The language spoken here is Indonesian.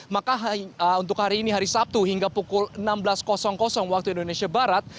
maka untuk hari ini hari sabtu hingga pukul enam belas waktu indonesia barat